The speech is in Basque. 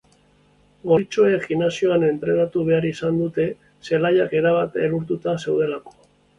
Gorritxoek gimnasioan entrenatu behar izan dute zelaiak erabat elurtuta zeudelako.